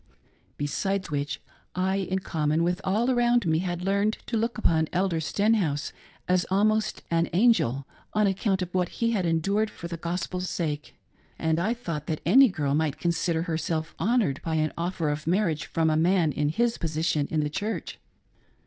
Besides which, I, in common with all around me, had learned to look upon Elder Stenhouse as almost an angel, on account of what he had endured for the Gospel's sake ; and I thought that any girl might consider herself honored by an offer of marriage from a man in his position in the church.